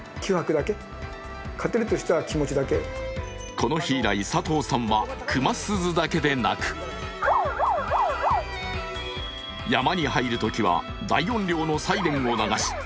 この日以来、佐藤さんは熊鈴だけでなく、山に入るときは大音量のサイレンを鳴らし